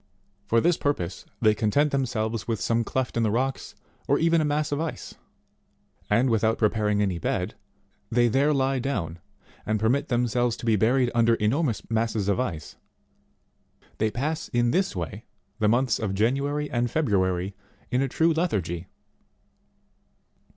For this purpose they content themselves with some cleft in the rocks or even in a mass of ice ; and without preparing any bed, they there lie down, and permit themselves to be buried under enormous masses of ice ; they pass in this way the months of January and February in a true lethargy.